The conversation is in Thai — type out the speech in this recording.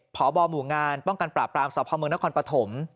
พบหมู่งานป้องกันปราบปรามสพเมืองนครปฐม